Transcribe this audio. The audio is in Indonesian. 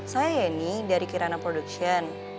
saya yeni dari kirana productions